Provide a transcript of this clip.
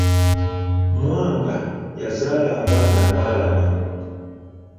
Mwanga yazaala abaana abaalama.